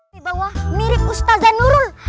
di bawah mirip ustaz zain nurul